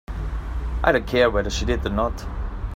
I don't care whether she did or not.